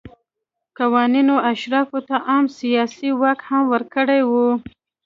قوانینو اشرافو ته عام سیاسي واک هم ورکړی و.